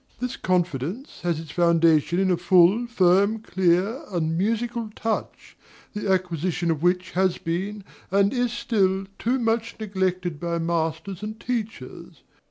This confidence has its foundation in a full, firm, clear, and musical touch, the acquisition of which has been, and is still, too much neglected by masters and teachers.